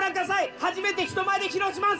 初めて人前で披露します。